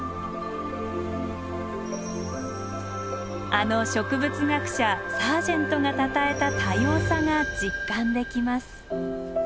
あの植物学者サージェントがたたえた多様さが実感できます。